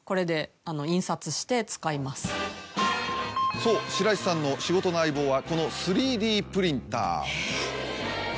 そう白石さんの仕事の相棒はこの３Ｄプリンター。